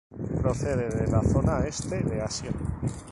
Procede de la zona este de Asia.